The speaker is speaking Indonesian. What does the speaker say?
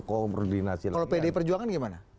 koordinasi lagi kalau pd perjuangan gimana